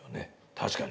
確かに。